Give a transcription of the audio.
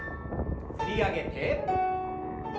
振り上げて。